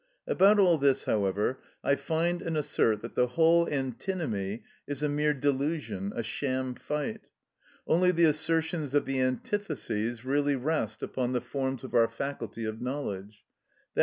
About all this, however, I find and assert that the whole antinomy is a mere delusion, a sham fight. Only the assertions of the antitheses really rest upon the forms of our faculty of knowledge, _i.